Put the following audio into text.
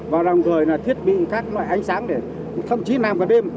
và đồng thời là thiết bị các loại ánh sáng để thậm chí làm cả đêm